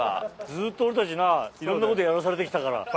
ずーっと俺たちないろんなことやらされてきたから。